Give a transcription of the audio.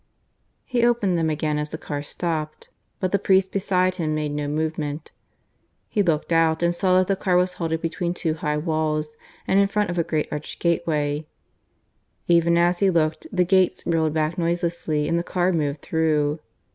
He opened them again as the car stopped. But the priest beside him made no movement. He looked out and saw that the car was halted between two high walls and in front of a great arched gateway. Even as he looked the gates rolled back noiselessly and the car moved through.